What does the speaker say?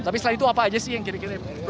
tapi setelah itu apa aja sih yang kira kira